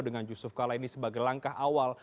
dengan yusuf kala ini sebagai langkah awal